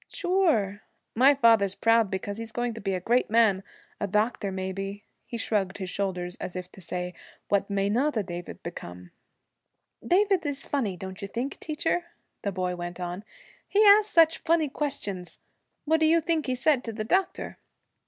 'Sure. My father's proud because he's going to be a great man; a doctor, maybe.' He shrugged his shoulders, as if to say, 'What may not a David become?' 'David is funny, don't you think, teacher?' the boy went on. 'He asks such funny questions. What do you think he said to the doctor?'